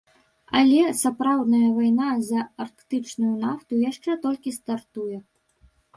Але сапраўдная вайна за арктычную нафту яшчэ толькі стартуе.